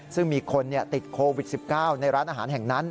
ซึ่งมีคนติดโควิด๑๙ในร้านอาหารแห่งนั้น